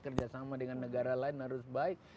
kerjasama dengan negara lain harus baik